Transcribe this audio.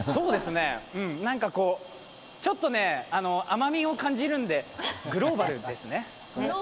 なんかこうちょっと甘みを感じるんで、グローバルですね。